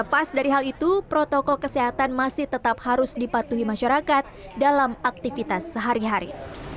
lepas dari hal itu protokol kesehatan masih tetap harus dipatuhi masyarakat dalam aktivitas sehari hari